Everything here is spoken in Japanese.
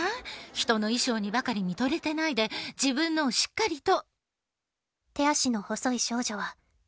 ひとの衣装にばかり見とれてないで自分のをしっかりと」。